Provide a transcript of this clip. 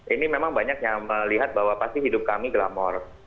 ini memang banyak yang melihat bahwa pasti hidup kami glamor